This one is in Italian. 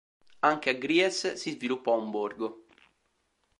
Anche a Gries si sviluppò un borgo.